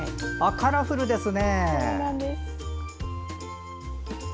カラフルですね。